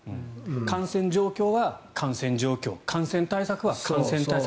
感染状況は感染状況感染対策は感染対策。